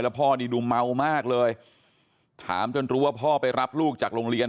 พ่อนี่ดูเมามากเลยถามจนรู้ว่าพ่อไปรับลูกจากโรงเรียน